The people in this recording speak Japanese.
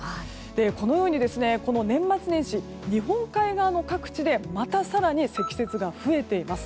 このように年末年始日本海側の各地でまた更に積雪が増えています。